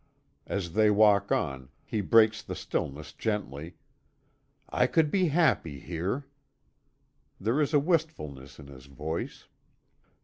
As they walk on, he breaks the stillness gently: "I could be happy here." There is a wistfulness in his voice.